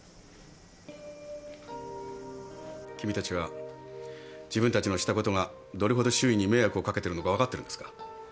君たちは自分たちのしたことがどれほど周囲に迷惑を掛けてるのか分かってるんですか？